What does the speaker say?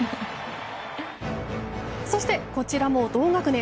そして、こちらも同学年。